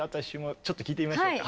ちょっと聴いてみましょうか。